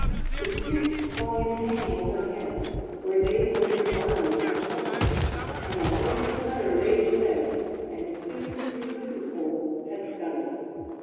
The chicks saw him hang overhead, Where they for their barley had huddled; And all in a flutter they fled, And soon through the coop holes had scuddled.